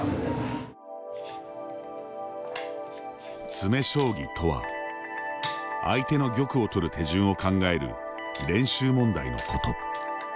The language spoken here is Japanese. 詰め将棋とは、相手の玉を取る手順を考える練習問題のこと。